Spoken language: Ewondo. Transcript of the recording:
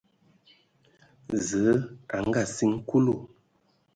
Zǝə a ngaasiŋ Kulu.